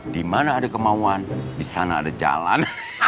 di mana ada kemauan di sana ada jalan